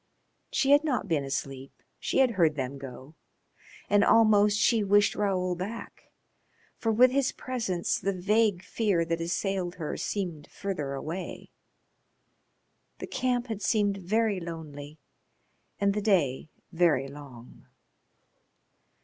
She had not been asleep; she had heard them go, and almost she wished Raoul back, for with his presence the vague fear that assailed her seemed further away. The camp had seemed very lonely and the day very long.